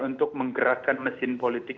untuk menggerakkan mesin politik